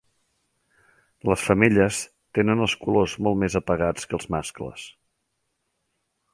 Les femelles tenen els colors molt més apagats que els mascles.